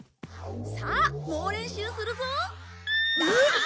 さあ猛練習するぞ！